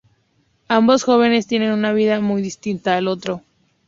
Ambos jóvenes tienen una vida muy distinta al otro.